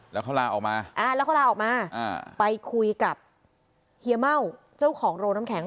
แล้วเขาลาออกมาไปคุยกับเฮียเม่าเจ้าของโรงน้ำแข็ง